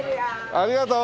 ありがとう！